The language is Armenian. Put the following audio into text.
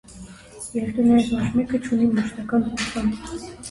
Երկրներից ոչ մեկը չունի մշտական դեսպան։